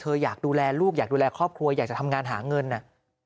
อยากดูแลลูกอยากดูแลครอบครัวอยากจะทำงานหาเงินน่ะ